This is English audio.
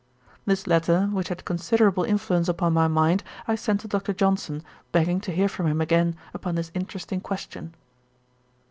This letter, which had considerable influence upon my mind, I sent to Dr. Johnson, begging to hear from him again, upon this interesting question.